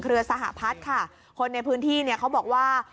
สหพัฒน์ค่ะคนในพื้นที่เนี่ยเขาบอกว่า